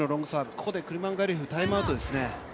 ここでクルマンガリエフタイムアウトですね。